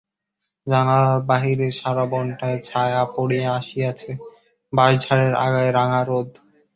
জানালার বাহিরে সারা বনটায় ছায়া পড়িয়া আসিয়াছে, বাঁশঝাড়ের আগায় রাঙা রোদ।